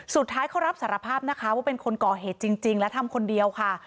สุดท้ายเขารับสารภาพนะคะว่าเป็นคนก่อเหตุจริงและทำคนเดียวค่ะ